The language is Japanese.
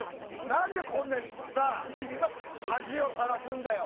何でこんなにさ恥をさらすんだよ！